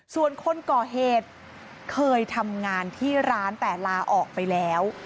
ส่วนคนก่อเหตุเคยทำงานที่ร้านแต่ลาออกไปแล้ว